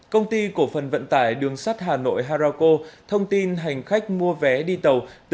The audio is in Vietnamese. công ty cổ phần vận tải đường sắt hà nội harako thông tin hành khách mua vé đi tàu từ